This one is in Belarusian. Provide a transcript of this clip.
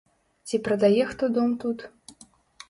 Ці прадае хто дом тут.